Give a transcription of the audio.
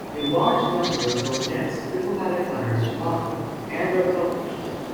A large number of Odet's diplomatic letters survive and are published.